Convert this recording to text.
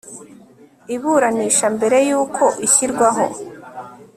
iburanisha mbere y uko ishyirwaho